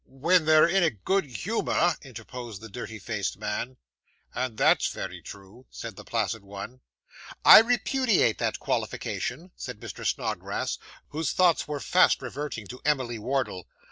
'When they're in a good humour,' interposed the dirty faced man. 'And that's very true,' said the placid one. 'I repudiate that qualification,' said Mr. Snodgrass, whose thoughts were fast reverting to Emily Wardle.